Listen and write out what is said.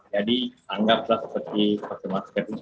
jadi anggaplah seperti masjid masjid itu